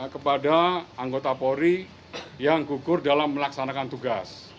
kepada anggota polri yang gugur dalam melaksanakan tugas